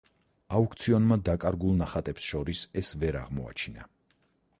აუქციონმა დაკარგულ ნახატებს შორის ეს ვერ აღმოაჩინა.